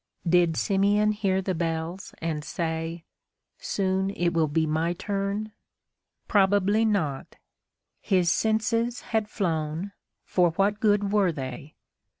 Did Simeon hear the bells and say, "Soon it will be my turn"? Probably not. His senses had flown, for what good were they!